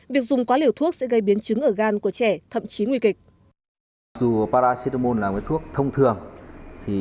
việc dùng quá liều thuốc sẽ gây biến chứng ở gan của trẻ thậm chí nguy kịch